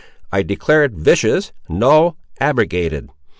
I declare it vicious—null—abrogated.